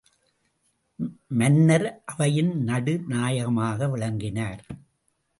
மன்னர் அவையின் நடு நாயகமாக விளங்கினார்.